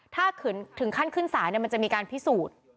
ถ้าถึงขั้นขึ้นสารมันจะมีการพิสูจน์